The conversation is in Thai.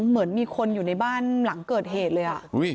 เหมือนมีคนอยู่ในบ้านหลังเกิดเหตุเลย